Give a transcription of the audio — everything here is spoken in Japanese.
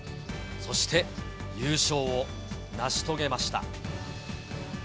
そして優勝を成し遂げました。